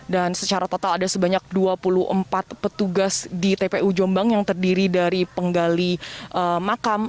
dan secara total ada sebanyak dua puluh empat petugas di tpu jombang yang terdiri dari penggali makam